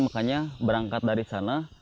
makanya berangkat dari sana